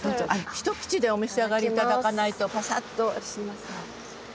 一口でお召し上がり頂かないとパサッとしますので。